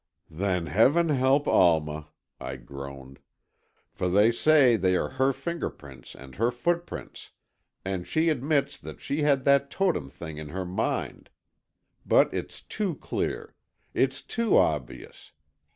"Then Heaven help Alma," I groaned. "For they say they are her fingerprints and her footprints and she admits that she had that Totem thing in her mind. But it's too clear! It's too obvious!